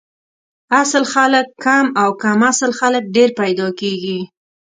اصل خلک کم او کم اصل خلک ډېر پیدا کیږي